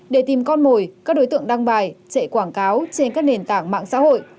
để tìm con mồi các đối tượng đăng bài chạy quảng cáo trên các nền tảng mạng xã hội